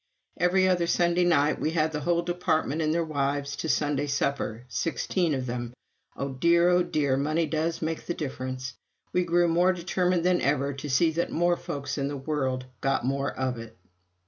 Every other Sunday night we had the whole Department and their wives to Sunday supper sixteen of them. Oh dear, oh dear, money does make a difference. We grew more determined than ever to see that more folk in the world got more of it.